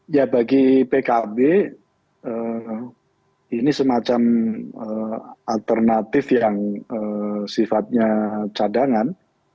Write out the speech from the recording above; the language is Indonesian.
ya bagi pkb ini semacam alternatif yang sifatnya cadangan